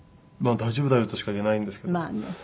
まあ「大丈夫だよ」としか言えないんですけど。